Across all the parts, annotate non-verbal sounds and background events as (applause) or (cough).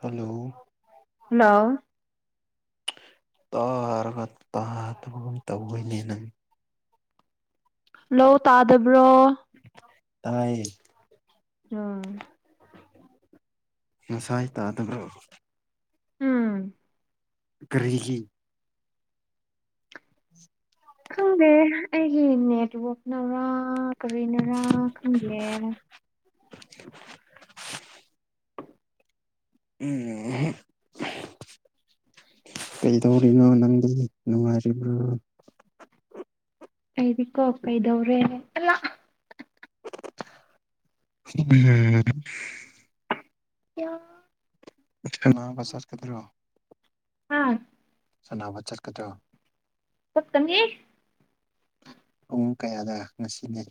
hello hello ꯇꯥꯔꯒ ꯇꯥꯗꯕꯒꯨꯝ ꯇꯧꯋꯣꯏꯅꯦ ꯅꯪ ꯂꯧ ꯇꯥꯗꯕ꯭ꯔꯣ ꯇꯥꯏ ꯎꯝ ꯉꯁꯥꯏ ꯇꯥꯗꯕ꯭ꯔꯣ ꯎꯝ ꯀꯦꯒ ꯈꯪꯗꯦ ꯑꯩꯒꯤ ꯅꯦꯠꯋꯥꯛꯅꯔꯥ ꯀꯔꯤꯅꯔꯥ ꯈꯪꯗꯦ (unintelligible) ꯎꯝ ꯀꯩꯗꯧꯔꯤꯅꯣ ꯅꯪꯒꯤ ꯅꯨꯡꯉꯥꯏꯔꯤꯕ꯭ꯔꯣ ꯑꯩꯀꯣꯄꯩꯗꯧꯔꯦ ꯝ (inaudible) ꯀ ꯄꯁ ꯈꯗ꯭ꯔꯣ ꯑꯥ ꯁꯥꯟꯅꯕ ꯆꯠꯀꯗ꯭ꯔꯣ ꯆꯞꯀꯝꯒꯤ ꯄꯃꯨꯡ ꯀꯌꯥꯗ ꯉꯁꯤꯟꯅꯩ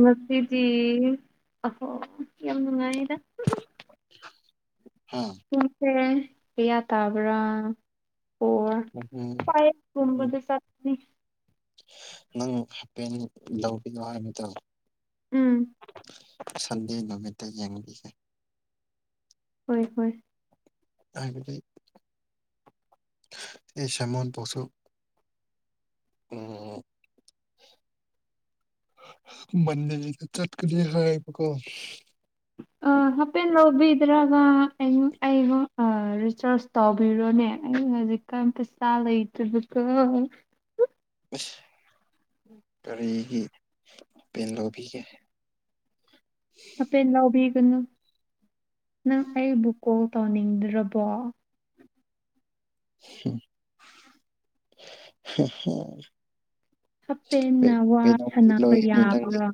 ꯅꯁꯦꯗꯤ ꯑꯣ ꯌꯥꯝ ꯅꯨꯡꯉꯥꯏꯔ ꯍꯥ ꯍꯁꯦ ꯀꯌꯥ ꯇꯥꯕ꯭ꯔꯥ ꯑꯣ ꯎꯝ ꯐꯥꯏ ꯔꯝ ꯃ ꯎꯝ ꯆꯅꯤ ꯅꯪ ꯍꯥꯏꯄꯦꯟ ꯂꯧꯕꯤꯌꯣ ꯍꯥꯏꯕꯗ ꯎꯝ ꯁꯟꯗꯦ ꯅꯨꯃꯤꯠꯇ ꯌꯦꯡꯕꯤꯒꯦ ꯍꯣꯏ ꯍꯣꯏ ꯑꯩꯒꯗꯤ ꯑꯩ ꯁꯦꯃꯣꯟ ꯄꯁꯨ (unintelligible) ꯃꯟ ꯆꯠꯀ ꯍꯥꯏꯕꯀꯣ ꯑ ꯍꯥꯐꯦꯠ ꯂꯧꯕꯤꯗ꯭ꯔꯒ ꯑꯩ ꯑꯩꯕꯨ ꯔꯤꯆꯥꯔꯁ ꯇꯧꯕꯤꯔꯣꯅꯦ ꯑ ꯍꯧꯖꯤꯛ ꯀꯝꯇ ꯆꯂ ꯏꯇꯗꯨꯀ ꯀꯔꯤꯒꯤ ꯄꯦꯟ ꯂꯧꯕꯤꯒꯦ ꯑꯄꯥ ꯑꯦ ꯎꯕꯦꯒꯅ ꯅꯪ ꯑꯩꯕꯨ ꯀꯣꯜ ꯇꯧꯅꯤꯡꯗ꯭ꯔꯕꯣ (unintelligible) ꯀꯩ ꯍꯥꯞꯄꯦꯟꯅ ꯋꯥ ꯁꯅꯕ ꯌꯥꯕ꯭ꯔꯥ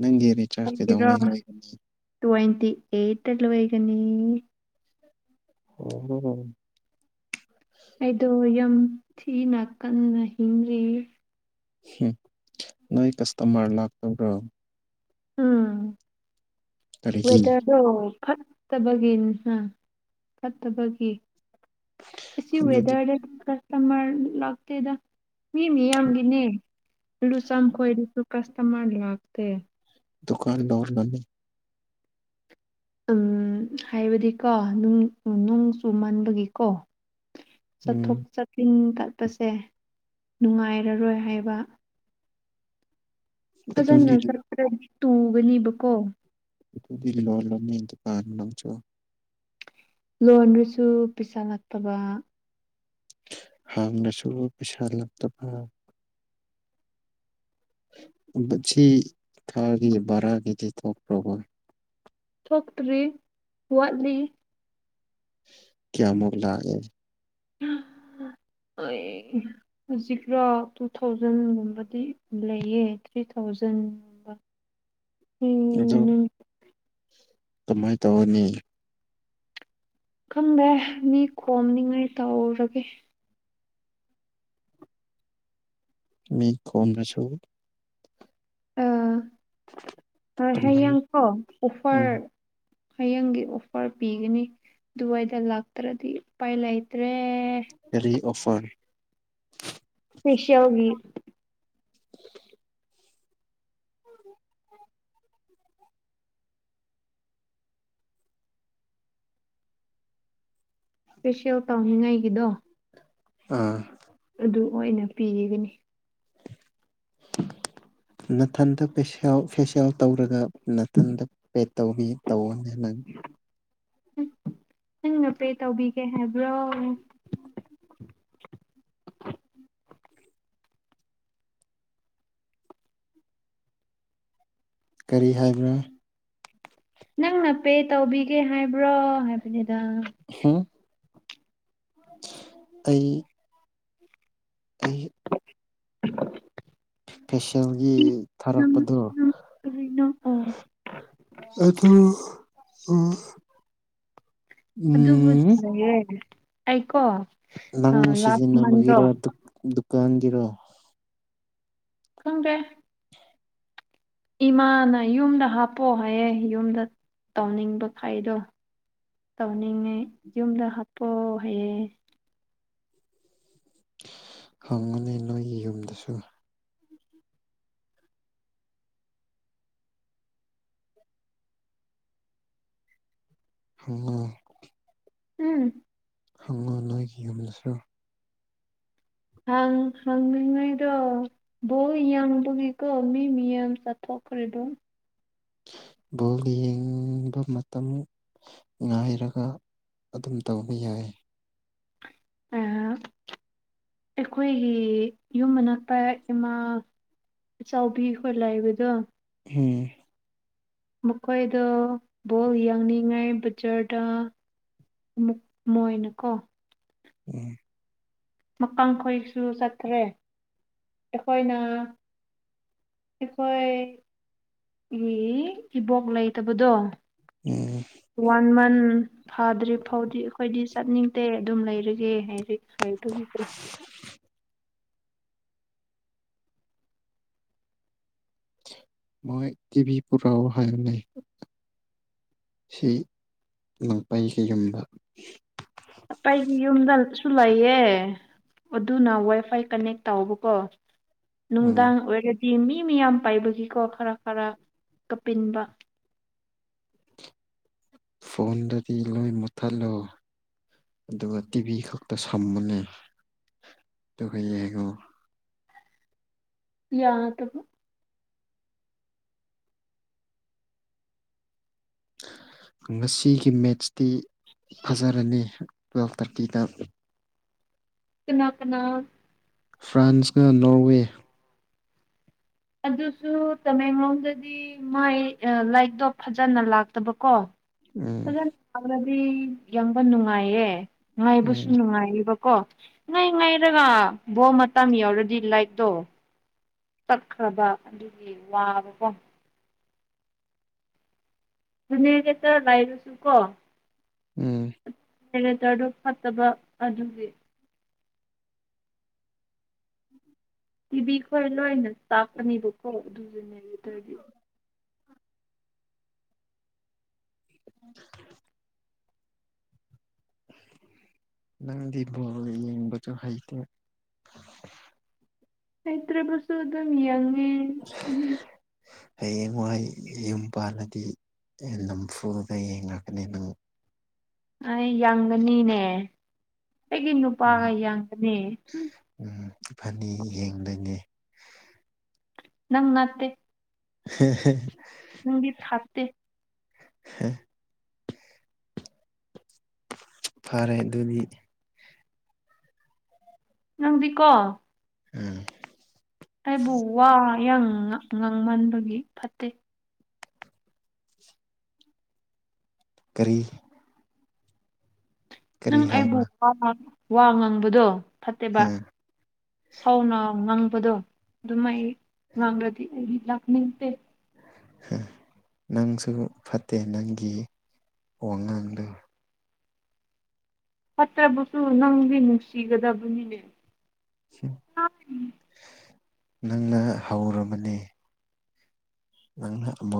ꯅꯪꯒꯤꯔꯤ ꯆꯔ ꯀꯩꯗꯉꯥꯏꯣꯏꯒꯅꯤ ꯑꯗꯨꯗꯤ ꯑꯦꯇꯠꯂ ꯑꯣꯏꯩꯒꯅꯤ ꯑꯣ ꯑꯩꯗꯣ ꯌꯥꯝ ꯊꯤꯅ ꯀꯟꯅ ꯍꯤꯡꯂꯤ ꯅꯣꯏ ꯀꯁꯇꯃꯔ ꯂꯥꯛꯇꯕ꯭ꯔꯣ ꯎꯝꯋꯦ ꯀꯔꯤꯒꯤ ꯐꯠꯇꯕꯒꯤꯪ ꯐꯠꯇꯕꯒꯤ ꯑꯁꯤ ꯑꯗꯨꯗꯤ ꯋꯦꯗꯔꯗ ꯀꯁꯇꯃꯔ ꯂꯥꯛꯇꯦꯗ ꯃꯤ ꯃꯤꯌꯥꯝꯒꯤꯅꯦ ꯂꯨꯆꯝ ꯈꯣꯏꯔꯁꯨ ꯀꯁꯇꯃ ꯂꯥꯛꯇꯦ ꯗꯨꯀꯥꯟꯗꯔ ꯂꯅꯤ ꯎꯝ ꯍꯥꯏꯕꯗꯤꯀꯣ ꯅꯣꯡ ꯆꯨ ꯃꯟꯥꯟꯕꯒꯤꯀꯣ ꯎꯝ ꯆꯠꯊꯣꯛ ꯆꯠꯁꯤꯟ ꯇꯠꯄꯁꯦ ꯅꯨꯡꯉꯥꯏꯔꯔꯣꯏ ꯍꯥꯏꯕ ꯐꯖꯅ ꯑꯗꯨꯗꯤ ꯆꯠꯄ꯭ꯔꯗꯤ ꯇꯨꯒꯅꯦꯕꯀꯣ ꯂꯣꯂꯣ ꯀꯥ ꯆꯣ ꯂꯣꯟꯔꯁꯨ ꯄꯩꯁꯥ ꯅꯠꯇꯕ ꯍꯅꯁꯨ ꯄꯁꯥ ꯂ ꯇꯐ ꯃꯁꯤ ꯊꯥꯒꯤ ꯚꯔꯥꯒꯤꯗꯤ ꯊꯣꯛꯣꯛꯄ꯭ꯔ ꯍꯣꯏ ꯐꯣꯛꯛꯇꯔꯤ ꯋꯥꯠꯂꯤ ꯀꯌꯥ ꯃꯣꯒꯂꯑ ꯎꯝ ꯑꯩ ꯍꯧꯖꯤꯛꯀꯣ ꯇꯨ ꯊꯥꯎꯖꯟꯒꯨꯝꯕꯗꯤ ꯂꯩꯌꯦ ꯊ꯭ꯔꯤꯥꯎ ꯊꯥꯎꯖꯟꯕ ꯑ ꯀꯃꯥꯏꯅ ꯇꯧꯔꯅꯤ ꯈꯪꯗꯦ ꯃꯤ ꯈꯣꯝꯅꯤꯉꯥꯏ ꯇꯥꯎꯔꯒꯦ ꯃꯤ ꯀꯣꯟꯅꯁꯨ ꯀꯃꯥꯏ ꯍꯌꯦꯡꯀꯣ ꯎꯝ ꯑꯣꯐꯔ ꯍꯌꯦꯡꯒꯤ ꯑꯣꯐꯔ ꯄꯤꯒꯅꯤ ꯑꯗꯨꯗꯨꯋꯥꯏꯗ ꯂꯥꯛꯇ꯭ꯔꯗꯤ ꯎꯄꯥꯏ ꯂꯩꯇ꯭ꯔꯦ ꯔꯤ ꯑꯣꯐꯔ ꯐꯤꯁꯎꯒꯤ ꯈꯦꯁꯤ ꯑꯧ ꯇ ꯍꯤ ꯉꯥꯏꯒꯗꯣ ꯑꯥ ꯑꯗꯨ ꯑꯣꯏꯅ ꯄꯤꯒꯅꯤ ꯅꯊꯟꯗ ꯐꯦꯁꯤꯜ ꯇꯧꯔꯒ ꯅꯥꯊꯟꯗ ꯄꯦꯠ ꯇꯧꯅꯤ ꯇꯧꯅꯦ ꯅꯪ ꯎ ꯅꯪꯅ ꯄꯦ ꯇꯧꯕꯤꯒꯦ ꯍꯥꯏꯕ꯭ꯔꯣ (inaudible) ꯀꯔꯤ ꯍꯥꯏꯕ꯭ꯔꯥ ꯅꯪꯅ ꯄꯦ ꯇꯧꯕꯤꯒꯦ ꯍꯥꯏꯕ꯭ꯔꯣ ꯍꯥꯏꯕꯅꯤꯗ ꯍꯨꯝ ꯑꯩ ꯑꯩ ꯑ ꯐꯦꯁꯤꯌꯦꯜꯒꯤ ꯊꯥꯔꯛꯄꯗꯣ ꯅꯪ ꯀꯔꯤꯅꯣ ꯑꯣ ꯑꯩꯊꯣ ꯑꯗꯨꯕꯨ ꯑꯥꯏꯀꯣ ꯅꯪ ꯁꯤꯖꯤꯟꯅꯕꯒꯤꯔ ꯗꯨꯀꯥꯟꯒꯤꯔꯣ ꯈꯪꯗꯦ ꯏꯃꯥꯅ ꯌꯨꯝꯗ ꯍꯥꯞꯄꯑꯣ ꯍꯥꯏꯌꯦꯦ ꯌꯨꯝꯗ ꯇꯧꯅꯤꯡꯕ ꯈꯥꯏꯗꯣ ꯇꯧꯅꯤꯡꯉꯦ ꯌꯨꯝꯗ ꯍꯥꯞꯄꯣ ꯍꯥꯏꯑꯦ ꯈꯪꯒꯅꯤ ꯅꯣꯏꯒꯤ ꯌꯨꯝꯗꯁꯨ ꯎꯝ ꯎꯝ ꯍꯪꯉꯣ ꯅꯣꯏꯒꯤ ꯌꯨꯝꯂꯁꯨꯔ ꯍꯪꯉꯤꯉꯩꯗꯣ ꯕꯣꯏꯡꯕꯒꯤꯀꯣ ꯃꯤ ꯃꯤ ꯌꯥꯝꯡ ꯆꯠꯊꯣꯛ ꯈꯗꯣ ꯕꯣꯜ ꯌꯦꯡꯕ ꯃꯇꯝ ꯉꯥꯏꯔꯒ ꯑꯗꯨꯝ ꯇꯧꯕꯧꯕ ꯌꯥꯏ ꯑ ꯑꯩꯈꯣꯏꯒꯤ ꯌꯨꯝ ꯃꯅꯥꯛꯇ ꯏꯃꯥ ꯆꯥꯎꯕꯤꯈꯣꯏ ꯂꯥꯛꯏꯕꯗꯣ ꯎꯝ ꯃꯈꯣꯏꯗ ꯕꯣꯜ ꯌꯥꯡꯅꯤꯡꯉꯥꯏ ꯕꯖꯔꯗ ꯃꯣꯏꯅꯀꯣ ꯎꯝ ꯃꯈꯀꯪꯈꯣꯏꯁꯨ ꯆꯠꯇ꯭ꯔꯦ ꯑꯩꯈꯣꯏꯅ ꯑꯩꯈꯣꯏ ꯏꯕꯣꯛ ꯂꯩꯇꯕꯗꯣ ꯎꯝ ꯋꯥꯟ ꯃꯟ ꯎꯝ ꯐꯥꯗ꯭ꯔꯤ ꯐꯥꯎꯗꯤ ꯑꯩꯈꯣꯏꯗꯤ ꯆꯠꯅꯤꯡꯗꯦ ꯑꯗꯨꯝ ꯂꯩꯔꯒꯦ ꯍꯥꯏꯔꯤ ꯍꯥꯏꯕꯒꯤꯗꯤ ꯃꯣꯏ ꯇꯤꯚꯤ ꯄꯨꯔ ꯑꯣ ꯍꯔꯅꯦ ꯁꯤ ꯉꯪꯄꯩꯒꯤ ꯌꯨꯝꯗ ꯑꯄꯩꯒꯤ ꯌꯨꯝꯗꯜ ꯁꯨ ꯂꯩꯌꯦ ꯑꯗꯨꯅ ꯋꯥꯏ ꯐꯥꯏ ꯀꯅꯦꯛ ꯇꯥꯎꯕꯀꯣ ꯎꯝ ꯅꯨꯡꯗꯥꯡ ꯑꯣꯏꯔꯗꯤꯃꯤ ꯃꯤ ꯃꯤꯌꯥꯝ ꯄꯥꯏꯕꯒꯤꯀꯣ ꯈꯔ ꯈꯔ ꯀꯞꯄꯤꯟꯕ ꯐꯣꯟꯗꯗꯤ ꯂꯣꯏ ꯃꯨꯠꯊꯠꯂꯣ ꯑꯗꯨꯒ ꯇꯤꯚꯤ ꯈꯛꯇ ꯁꯝꯃꯣꯅꯦ ꯑꯗꯨꯒ ꯌꯦꯡꯉꯣ ꯌꯥ ꯇꯕ (inaudible) ꯉꯁꯤꯒꯤ ꯃꯦꯠꯁꯇꯤ ꯐꯥꯖꯔꯅꯤ ꯇꯨꯋꯦꯜꯐ ꯊꯥꯔꯇꯤꯗ ꯀꯅꯥ ꯀꯅꯥ ꯐ꯭ꯔꯥꯟꯁꯅꯀ ꯅꯣꯔꯋꯦ ꯑꯗꯨꯁꯨ ꯇꯃꯦꯡꯂꯣꯡꯗꯗꯤ ꯃꯥꯏ ꯂꯥꯏꯠꯇꯣ ꯐꯖꯅ ꯂꯥꯛꯇꯕꯀꯣ ꯎꯝ ꯐꯖꯅ ꯂꯥꯛꯂꯗꯤ ꯌꯦꯡꯕ ꯅꯨꯡꯉꯥꯏꯌꯦ ꯉꯥꯏꯕꯁꯨ ꯎꯝ ꯅꯨꯡꯉꯥꯏꯌꯦꯕ ꯀꯣ ꯉꯥꯏ ꯉꯥꯏꯔꯒ ꯕꯣꯜ ꯃꯇꯝ ꯌꯥꯎꯔꯗꯤ ꯂꯥꯏꯛꯇꯣ ꯀꯛꯈ꯭ꯔꯕ ꯑꯗꯨꯒꯤ ꯋꯥꯕꯀꯣ ꯖꯦꯅꯦꯔꯦꯇꯔ ꯂꯥꯏꯔꯨꯁꯨ ꯀꯣ ꯎꯝ ꯖꯦꯔꯦꯇꯔꯗꯨ ꯐꯠꯇꯕ ꯑꯗꯨꯒꯤ ꯇꯤꯚꯤ ꯈꯣꯏ ꯂꯣꯏꯅ ꯆꯥꯛꯀꯅꯤꯕꯀꯣ ꯑꯗꯨꯗꯨꯅꯦ ꯑꯗꯨꯗꯗꯤ (inaudible) ꯅꯪꯗꯤ ꯕꯣꯜ ꯌꯦꯡꯕꯁꯨ ꯍꯩꯇꯦ ꯍꯩꯇ꯭ꯔꯕꯁꯨ ꯑꯗꯨꯝ ꯌꯦꯉꯦ ꯎꯝ ꯍꯌꯦꯡꯋꯥꯏ ꯌꯨꯝ ꯄꯥꯜꯂꯗꯤ ꯑꯩꯅ ꯅꯝꯐꯨꯗ ꯌꯦꯡꯉꯛꯀꯅꯤ ꯅꯪ ꯑꯩ ꯌꯦꯒꯅꯤꯅꯦ ꯑꯩꯒꯤ ꯅꯨꯄꯥꯒ ꯎꯝ ꯌꯦꯡꯀꯅꯤ ꯐꯅꯤ ꯌꯦꯡꯗꯅꯤ ꯅꯪ ꯅꯠꯇꯦ ꯍꯍꯍ ꯅꯡꯒꯤ ꯐꯥꯠꯇꯦ ꯍꯦ ꯐꯔꯦ ꯑꯗꯨꯗꯤ ꯅꯪꯗꯤꯀꯣ ꯎꯝ ꯑꯩꯕꯨ ꯋꯥ ꯌꯥꯝ ꯉ ꯉꯥꯡꯃꯟꯕꯒꯤ ꯐꯠꯇꯦ ꯀꯔꯤ ꯀꯔꯤ ꯅꯪ ꯑꯩꯕꯨ ꯍꯥꯏꯕ ꯋꯥ ꯉꯥꯡꯕꯗꯣ ꯐꯠꯇꯦꯕ ꯁꯥꯎꯅ ꯉꯪꯕꯗꯣ ꯑꯗꯨꯝ ꯑꯩ ꯥꯉꯥꯡꯒ꯭ꯔꯗꯤ ꯑꯩ ꯂꯥꯛꯅꯤꯡꯇꯦ ꯅꯪꯁꯨ ꯐꯠꯇꯦ ꯅꯪꯒꯤ ꯋꯥꯉꯥꯡꯗꯣ ꯐꯠꯇ꯭ꯔꯕꯁꯨ ꯅꯪꯗꯤ ꯅꯨꯡꯁꯤꯒꯗꯕꯅꯤꯅꯦ (inaudible) ꯅꯪꯅ ꯍꯧꯔꯕꯅꯤ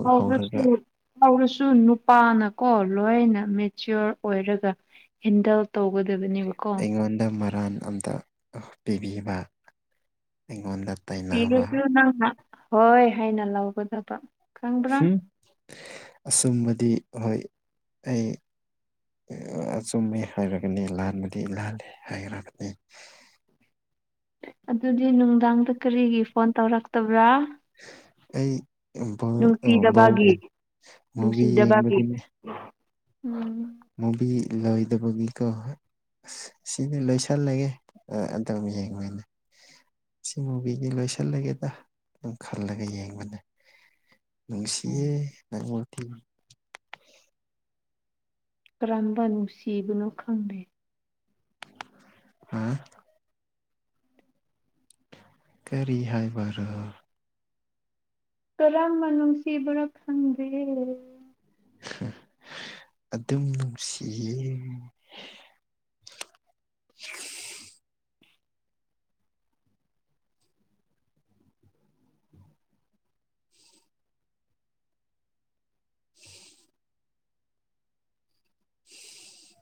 ꯍꯧꯔꯁꯨ ꯍꯧꯔꯒ ꯍꯧꯔꯁꯨ ꯁꯨ ꯅꯨꯄꯥꯅꯀꯣ ꯂꯣꯏꯅ ꯃꯦꯆꯤꯌꯣꯔ ꯑꯣꯏꯔꯒ ꯍꯦꯟꯗꯜ ꯇꯧꯒꯗꯕꯅꯦꯕꯀꯣ ꯔꯥꯟ ꯑꯝꯇ ꯄꯤꯕꯤꯕ ꯑꯩꯉꯣꯟꯗ ꯇꯥꯏꯅꯕ ꯁꯤꯔꯁꯨ ꯅꯪꯅ ꯍꯣꯏ ꯍꯥꯏꯅ ꯂꯧꯒꯗꯕ ꯈꯪꯕ꯭ꯔꯥ ꯝ ꯑꯁꯨꯝꯕꯗꯤ ꯍꯣꯏ ꯑꯩ ꯑꯆꯨꯝꯃꯦ ꯍꯥꯏꯔꯒꯅꯤ ꯂꯥꯟꯕꯗꯤ ꯂꯥꯂ ꯍꯥꯏꯈꯔꯒꯅꯤ ꯑꯗꯨꯗꯤ ꯅꯨꯡꯗꯥꯡꯗ ꯀꯔꯤꯒꯤ ꯐꯣꯟ ꯇꯧꯔꯛꯇꯕ꯭ꯔꯥ ꯑꯩ ꯕꯣꯜ ꯅꯨꯡꯁꯤꯗꯕꯒꯤ ꯕꯣꯜꯅꯦ ꯃꯨꯚꯤ ꯅꯨꯡꯁꯤꯗꯕꯒꯤ ꯌꯦꯡꯕꯒꯤꯅꯦ ꯎꯝ ꯂꯣꯏꯗꯧꯕꯒꯤꯀꯍꯣꯏ ꯑ ꯁꯤꯗꯤ ꯂꯣꯏꯁꯜꯂꯒꯦ ꯑꯗꯨꯝ ꯌꯦꯡꯕꯅꯦ ꯁꯤ ꯃꯨꯕꯤꯒꯤ ꯂꯣꯏꯁꯤꯜꯂꯒꯦꯗ ꯑꯗꯨꯝ ꯈꯜꯂꯒ ꯌꯦꯡꯕꯅꯦ ꯅꯨꯡꯁꯤꯦ ꯅ ꯊ ꯀꯔꯝꯝꯕ ꯅꯨꯡ ꯁꯤꯕꯅꯣ ꯈꯪꯗꯦ ꯑꯝ ꯀꯔꯤ ꯍꯥꯏꯕꯔꯣ ꯀꯔꯝꯕ ꯅꯨꯡꯁꯤꯕꯅꯣ ꯈꯪꯗꯦ ꯑꯗꯨꯝ ꯅꯨꯡꯁꯤꯌꯦ (unintelligible) (unintelligible) (unintelligible)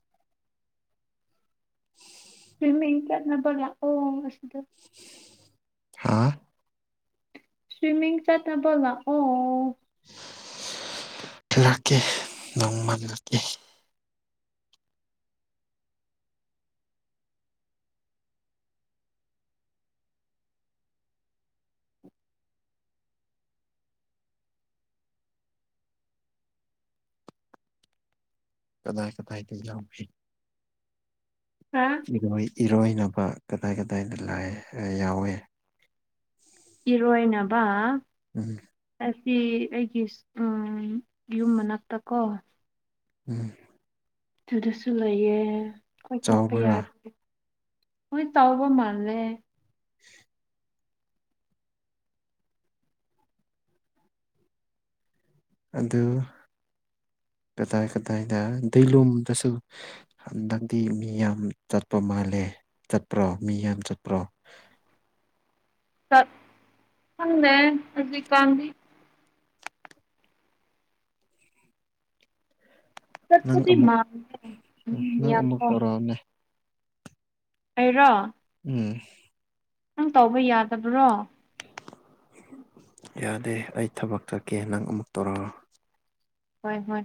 ꯐꯃꯤ ꯌꯦꯡ ꯀꯅꯕꯒ ꯑꯣꯗ ꯍꯥꯥ ꯁ꯭ꯋꯃꯤꯡ ꯆꯠꯅꯕ ꯂꯥꯛꯑꯣ ꯔꯀꯦ ꯅꯣꯡꯃ ꯂꯥꯀꯦ ꯀꯗꯥꯏ ꯀꯗꯥꯥꯏ ꯖꯂꯥꯎꯕꯤ ꯍꯥ ꯏꯔꯣꯏꯅꯕ ꯀꯗꯥꯏ ꯀꯗꯥꯏꯗ ꯂꯥꯏ ꯌꯥꯎꯋꯤ ꯏꯔꯣꯢꯅꯕ ꯎꯝ ꯑꯁꯤ ꯑꯩꯒꯤ ꯎ ꯌꯨꯝ ꯃꯅꯥꯛꯇ ꯀꯣ ꯎꯝ ꯑꯗꯨꯗꯁꯨ ꯂꯩꯌꯦ ꯑꯩꯏ ꯆꯠꯄ ꯆꯥꯎꯕ꯭ꯔꯥ ꯌꯥꯔꯦ ꯃꯣꯏ ꯇꯥꯎꯕ ꯃꯥꯂꯦ (inaudible) ꯑꯗꯨ (inaudible) ꯀꯗꯥꯏ ꯀꯗꯥꯏꯗ ꯗꯂꯣꯝꯗꯁꯨ ꯍꯟꯗꯛꯇꯤ ꯃꯤ ꯌꯥꯝ ꯆꯠꯄ ꯃꯥꯜꯂꯦ ꯆꯠꯄ꯭ꯔꯣ ꯃꯤ ꯌꯥꯝ ꯆꯠꯄ꯭ꯔꯣ ꯎꯝ ꯆꯠ ꯈꯪꯗꯦ ꯍꯧꯖꯤꯀꯥꯟꯗꯤ ꯅꯪ ꯆꯠꯄꯗꯤ ꯑꯃꯨꯛ ꯃꯥꯥꯟ ꯎꯝ ꯅꯪ ꯌꯥ ꯑꯃꯨꯛ ꯇꯧꯔꯛꯑꯣꯅꯦ ꯑꯩꯔꯣ ꯎꯝ ꯅꯪ ꯇꯧꯕ ꯌꯥꯗꯕ꯭ꯔꯣ ꯌꯥꯗꯦ ꯑꯩ ꯊꯕꯛ ꯆꯠꯀꯦ ꯅꯪ ꯑꯃꯨꯛ ꯇꯧꯔꯛꯑꯣ ꯍꯣꯏ ꯍꯣꯏ